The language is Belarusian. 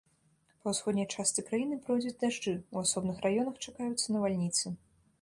Па ўсходняй частцы краіны пройдуць дажджы, у асобных раёнах чакаюцца навальніцы.